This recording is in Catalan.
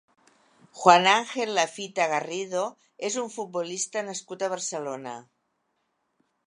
Juan Ángel Lafita Garrido és un futbolista nascut a Barcelona.